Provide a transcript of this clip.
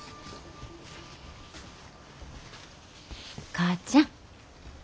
母ちゃん。